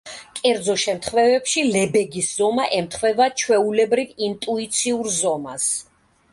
კერძო შემთხვევებში ლებეგის ზომა ემთხვევა ჩვეულებრივ ინტუიციურ ზომას.